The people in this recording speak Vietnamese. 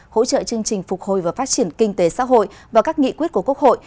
hỗ trợ chương trình phục hồi và phát triển kinh tế xã hội và các nghị quyết của quốc hội